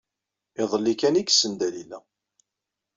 Iḍelli kan ay yessen Dalila.